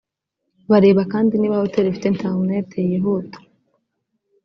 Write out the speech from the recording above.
Bareba kandi niba Hoteli ifite interineti yihuta